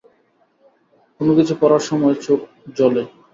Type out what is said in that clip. কোনো কিছু পড়ার সময় চোখ জ্বলে।